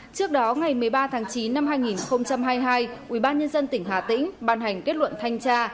trước đó ngày một mươi ba tháng chín năm hai nghìn hai mươi hai ubnd tỉnh hà tĩnh ban hành kết luận thanh tra